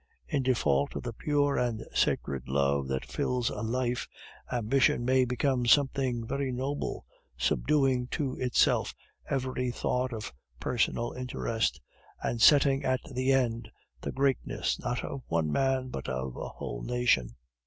In default of the pure and sacred love that fills a life, ambition may become something very noble, subduing to itself every thought of personal interest, and setting as the end the greatness, not of one man, but of a whole nation.